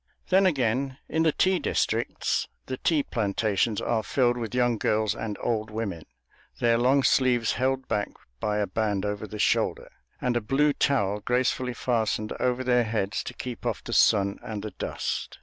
Then, again, in the tea districts, the tea plantations are filled with young girls and old women, their long sleeves held back by a band over the shoulder, and a blue towel gracefully fastened over their heads to keep off the sun and the dust.